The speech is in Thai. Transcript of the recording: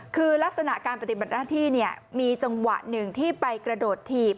คือลักษณะการปฏิบัติหน้าที่เนี่ยมีจังหวะหนึ่งที่ไปกระโดดถีบ